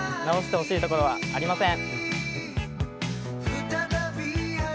直してほしいところはありません。